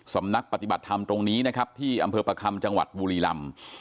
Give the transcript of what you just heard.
สำนักปฏิบัติธรรมตรงนี้นะครับที่อำเภอประคำจังหวัดบุรีลำ